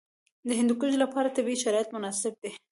د هندوکش لپاره طبیعي شرایط مناسب دي.